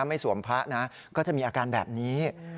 ไม่สวมพระนะก็จะมีอาการแบบนี้